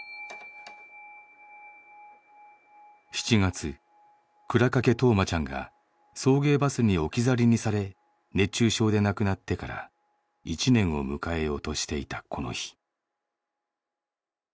７月倉掛冬生ちゃんが送迎バスに置き去りにされ熱中症で亡くなってから１年を迎えようとしていたこの日。